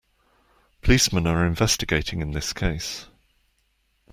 Policemen are investigating in this case.